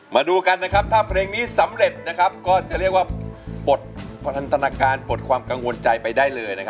มาดูกันนะครับถ้าเพลงนี้สำเร็จก็จะเรียกว่าปลดพันธนาการปลดความกังวลใจไปได้เลย